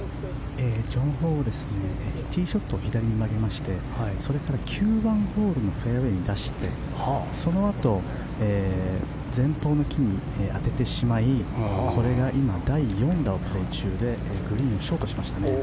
ジョン・ホはティーショットを左に曲げましてそれから９番ホールのフェアウェーに出してそのあと前方の木に当ててしまいこれが今、第４打をプレー中でグリーンをショートしましたね。